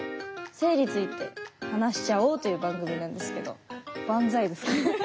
性について話しちゃおうという番組なんですけど万歳ですか？